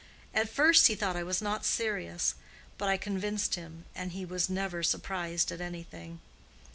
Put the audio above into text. At first he thought I was not serious, but I convinced him, and he was never surprised at anything.